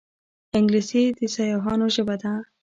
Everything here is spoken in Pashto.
انګلیسي د سیاحانو ژبه ده